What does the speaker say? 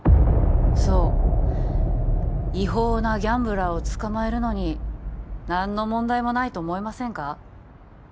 そう違法なギャンブラーを捕まえるのに何の問題もないと思いませんか？